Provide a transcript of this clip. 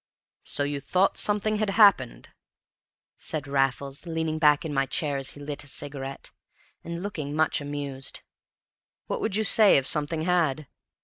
"So you thought something had happened?" said Raffles, leaning back in my chair as he lit a cigarette, and looking much amused. "What would you say if something had?